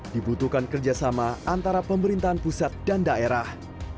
dibutuhkan kerjasama antara pemerintahan pusat dan daerah